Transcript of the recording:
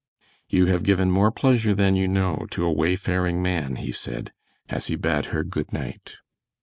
"You have given more pleasure than you know to a wayfaring man," he said, as he bade her good night.